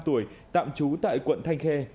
hai mươi năm tuổi tạm trú tại quận thanh khê